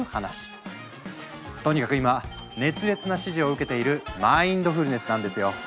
とにかく今熱烈な支持を受けているマインドフルネスなんですよ！